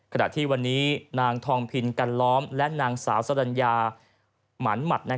ขณะที่วันนี้นางทองพินกันล้อมและนางสาวสรรญาหมานหมัด